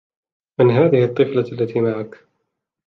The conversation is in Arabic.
من هذه الطفلة التي معك؟